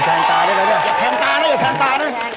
แทงตาด้วยเลยด้วยแทงตาด้วยแทงตาด้วย